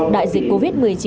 đại dịch covid một mươi chín